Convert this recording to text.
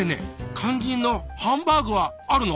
肝心のハンバーグはあるの？